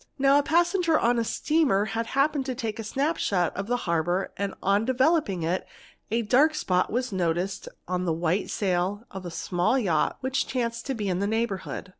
Now a passenger on a steamer had happened to take a snap shot of the harbour and, on developing it, ad ; PHOTOGRAPHY—PARTICULAR CASES 255 spot was noticed on the white sail of a small yacht which chanced to be in the neighbourhood.